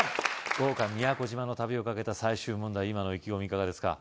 豪華宮古島の旅をかけた最終問題今の意気込みいかがですか？